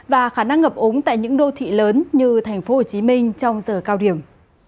và khả năng ngập ống tại những đô thị lớn như tp hcm trong giờ cao điểm